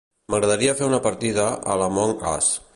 M'agradaria fer una partida a l'"Among us".